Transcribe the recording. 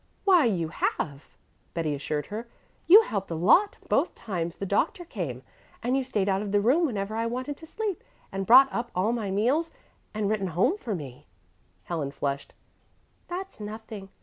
"Why you have," Betty assured her. "You helped a lot both times the doctor came, and you've stayed out of the room whenever I wanted to sleep, and brought up all my meals, and written home for me." Helen flushed. "That's nothing.